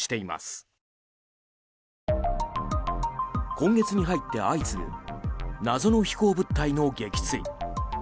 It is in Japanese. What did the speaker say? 今月に入って相次ぐ謎の飛行物体の撃墜。